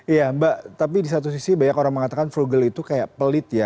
iya mbak tapi di satu sisi banyak orang mengatakan frugal itu kayak pelit ya